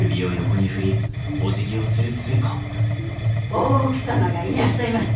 大奥様がいらっしゃいました。